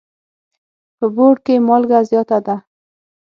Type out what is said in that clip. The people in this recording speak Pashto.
په بوړ کي مالګه زیاته ده.